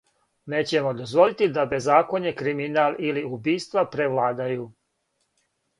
Нећемо дозволити да безакоње, криминал или убиства превладају.